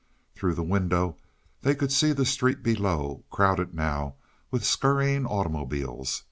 Through the window they could see the street below, crowded now with scurrying automobiles.